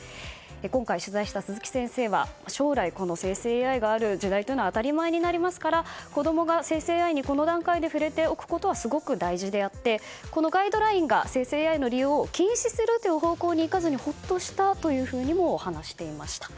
今回取材した鈴木先生は将来、この生成ＡＩがある時代というのは当たり前になりますから子供が生成ＡＩにこの段階で触れておくことはすごく大事であったこのガイドラインが生成ＡＩの利用を禁止するという方向にいかずにほっとしたとも話していました。